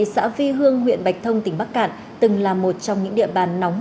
xã vi hương huyện bạch thông tỉnh bắc cạn từng là một trong những địa bàn nóng